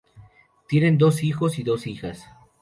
Tienen dos hijos y dos hijas.